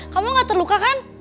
kamu gak terluka kan